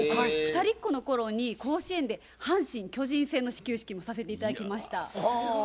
「ふたりっ子」の頃に甲子園で阪神巨人戦の始球式もさせて頂きました。